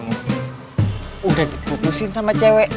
udah dibutuhin sama cewek